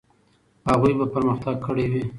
هغوی به پرمختګ کړی وي.